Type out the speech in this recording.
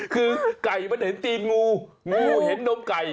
คือไก่มันเห็นตีนงูงูเห็นนมไก่